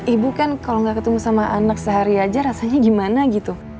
ibu kan kalau gak ketemu sama anak sehari aja rasanya gimana gitu